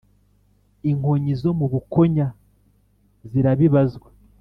Inkonyi zo mu Bukonya zirabibazwa